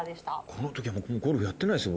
このときはゴルフやってないですよ